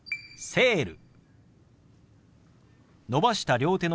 「セール」。